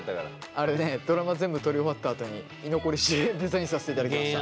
あれねドラマ全部撮り終わったあとに居残りしてデザインさせていただきました。